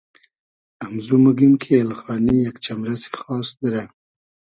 امزو موگیم کی ایلخانی یئگ چئمرئسی خاس دیرۂ